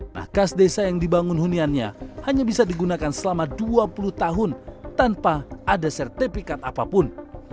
nah kas desa yang dibangun huniannya hanya bisa digunakan selama dua puluh tahun tanpa ada sertifikat apapun